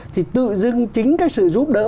thì tự dưng chính cái sự giúp đỡ